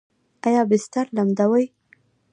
ایا بستر لمدوي؟